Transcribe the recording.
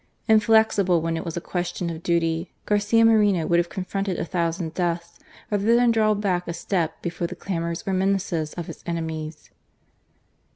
Inflexible when it was a question of duty, Garcia Moreno would have confronted a thousand deaths rather than draw back a step before the clamours or menaces of his enemies.